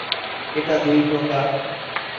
এটা দুই প্রকার।